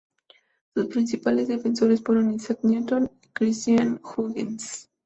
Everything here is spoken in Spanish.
Sus principales defensores fueron Isaac Newton y Christiaan Huygens.